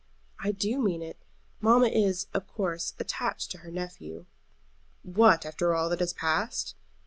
"I do mean it. Mamma is, of course, attached to her nephew." "What, after all that has passed?"